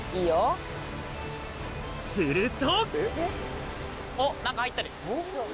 すると！